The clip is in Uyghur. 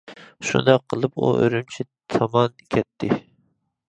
شۇنداق قىلىپ ئۇ ئۈرۈمچى تامان كەتتى.